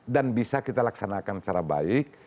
dan bisa kita laksanakan secara baik